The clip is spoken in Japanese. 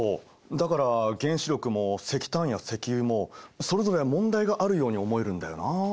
だから原子力も石炭や石油もそれぞれ問題があるように思えるんだよな。